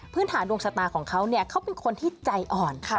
พื้นฐานดวงชะตาของเขาเนี่ยเขาเป็นคนที่ใจอ่อน